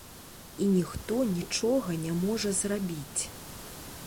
І ніхто нічога не можа зрабіць.